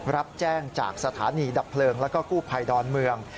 รับแจ้งจากสถานีดับเพลิงแล้วก็กู้ภัยดอนเมือง